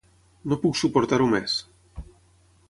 No puc suportar-ho més!